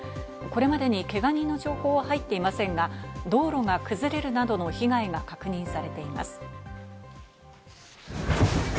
これまでにけが人の情報は入っていませんが、道路が崩れるなどの被害が確認されています。